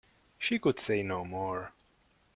She could say no more.